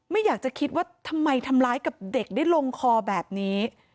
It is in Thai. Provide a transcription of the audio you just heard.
ไม่อยากจะคิดว่าทำไมทำร้ายกับเด็กได้ลงคอแบบนี้